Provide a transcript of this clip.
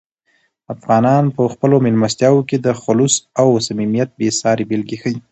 افغانان په خپلو مېلمستیاوو کې د "خلوص" او "صمیمیت" بې سارې بېلګې ښیي.